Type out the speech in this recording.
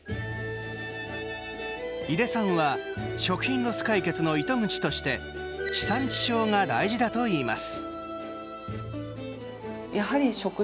井出さんは食品ロス解決の糸口として地産地消が大事だと言います。